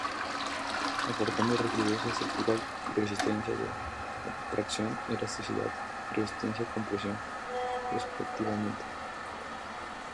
Aportando rigidez estructural y resistencia a tracción, elasticidad, y resistencia a compresión, respectivamente.